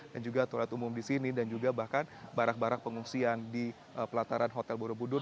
dan juga toilet umum di sini dan juga bahkan barak barak pengungsian di pelataran hotel borobudur